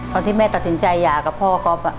ตอนที่แม่ตัดสินใจอยากกับพ่อก็